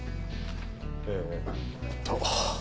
えーっと。